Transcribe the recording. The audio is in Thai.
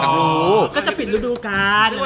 ก็จะปิดฤดูกาลเลย